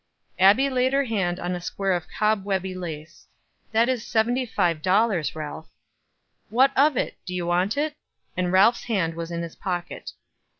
Abbie laid her hand on a square of cobwebby lace. "That is seventy five dollars, Ralph." "What of that? Do you want it?" And Ralph's hand was in his pocket.